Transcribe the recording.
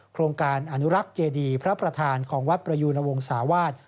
โครงการอนุรักษ์เจดีพระประธานของวัดประยูณวงศาวาส